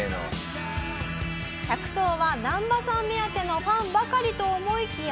「客層はナンバさん目当てのファンばかりと思いきや」